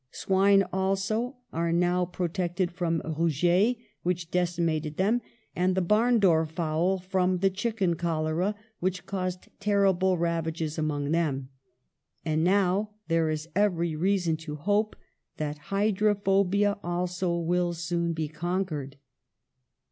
Swine also are now pro tected from rouget, which decimated them, and the barn door fowl, from the chicken cholera, which caused terrible ravages among them. And now there is every reason to hope that hydrophobia also will soon be conquered."